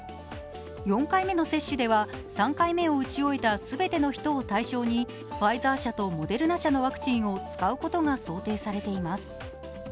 ４回目の接種では３回目を打ち終えた全ての人を対象にファイザー社とモデルナ社のワクチンを使うことが想定されています。